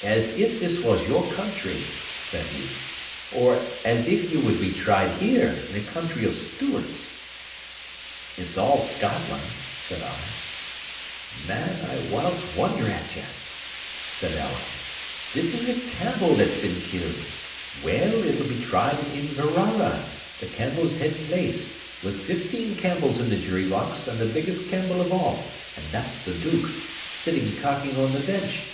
"As if this was your country!" said he. "Or as if ye would be tried here, in a country of Stewarts!" "It's all Scotland," said I. "Man, I whiles wonder at ye," said Alan. "This is a Campbell that's been killed. Well, it'll be tried in Inverara, the Campbells' head place; with fifteen Campbells in the jury box and the biggest Campbell of all (and that's the Duke) sitting cocking on the bench.